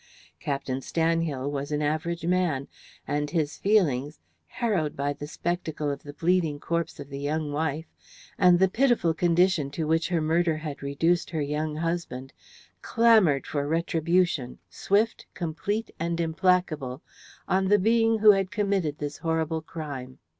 Captain Stanhill was an average man, and his feelings, harrowed by the spectacle of the bleeding corpse of the young wife, and the pitiful condition to which her murder had reduced her young husband, clamoured for retribution, swift, complete, and implacable, on the being who had committed this horrible crime.